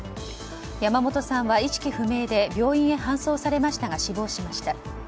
山本さんは意識不明で病院に搬送されましたが死亡しました。